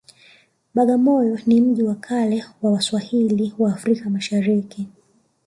bagamoyo ni miji wa kale wa waswahili wa africa mashariki